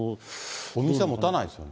お店もたないですよね。